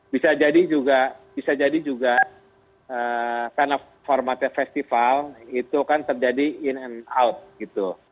bisa jadi juga karena formatnya festival itu kan terjadi in and out gitu